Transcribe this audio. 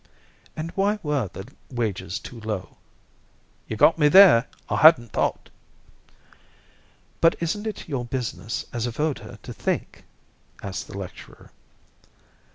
"And why were the wages too low?" "You've got me there. I hadn't thought." "But isn't it your business as a voter to think?" asked the lecturer.